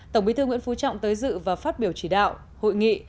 tổng bí thư nguyễn phú trọng tới dự và phát biểu chỉ đạo hội nghị